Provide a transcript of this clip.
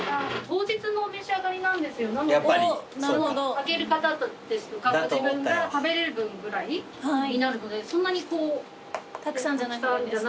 あげる方ですとかご自分が食べれる分ぐらいになるのでそんなにたくさんじゃなくても大丈夫なので。